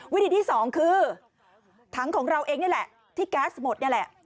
วิธีที่สองคือถังของเราเองนี่แหละที่แก๊สหมดนี่แหละ